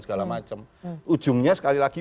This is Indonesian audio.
segala macam ujungnya sekali lagi